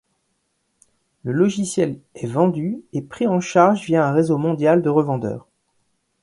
Le logiciel est vendu et pris en charge via un réseau mondial de revendeurs.